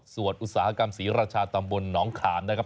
ส่วนอุตสาหกรรมศรีราชาตำบลหนองขามนะครับ